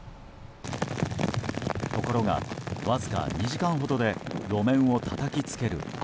ところが、わずか２時間ほどで路面をたたきつける雨。